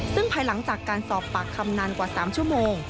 ซึ่งภายหลังจากการสอบปากคำนานกว่า๓ชั่วโมง